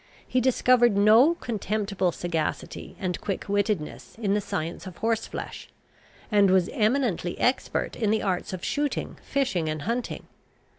He discovered no contemptible sagacity and quick wittedness in the science of horse flesh, and was eminently expert in the arts of shooting, fishing, and hunting.